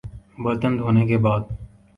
برتن دھونے کے بعد